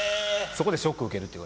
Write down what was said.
そこでショックを受けると。